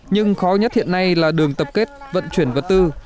nhưng khó nhất hiện nay là đường tập kết vận chuyển vật tư